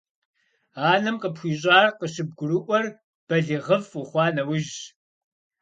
Анэм къыпхуищӀар къыщыбгурыӀуэр балигъыфӀ ухъуа нэужьщ.